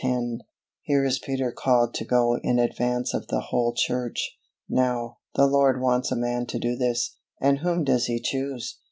Here is Peter called to go in advance of the whole Church! Now, the Lord wants a man to do this, and whom does He choose?